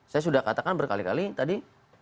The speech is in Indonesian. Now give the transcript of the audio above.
saya sudah katakan berkali kali tadi